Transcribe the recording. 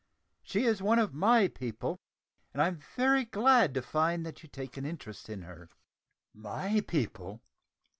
She is one of my people, and I'm very glad to find that you take an interest in her." "`My people!'